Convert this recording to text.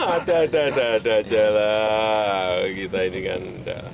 ada ada aja lah kita ini kan tidak